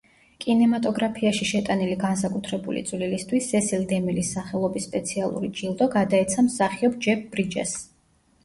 კინემატოგრაფიაში შეტანილი განსაკუთრებული წვლილისთვის, სესილ დემილის სახელობის სპეციალური ჯილდო გადაეცა მსახიობ ჯეფ ბრიჯესს.